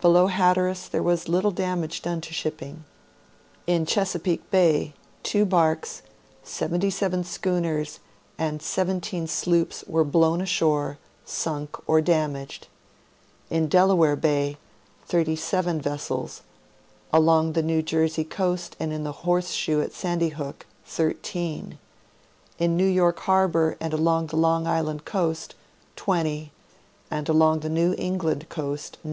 Below Hatteras there was little damage done to shipping. In Chesapeake Bay, 2 barks, 77 schooners, and 17 sloops were blown ashore, sunk, or damaged; in Delaware Bay, 37 vessels; along the New Jersey coast and in the Horse shoe at Sandy Hook, 13; in New York harbor and along the Long Island coast, 20; and along the New England coast, 9.